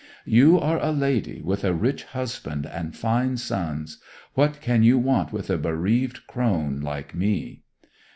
'You are a lady, with a rich husband and fine sons! What can you want with a bereaved crone like me!